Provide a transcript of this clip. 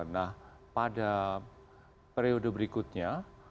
nah pada periode berikutnya